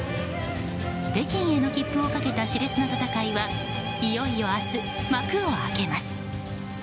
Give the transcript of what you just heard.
北京への切符をかけた熾烈な戦いはいよいよ明日、幕を開けます。